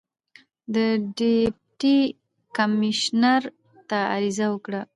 د ډیپټي کمیشنر ته عریضه وکړه.